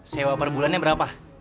sewa perbulannya berapa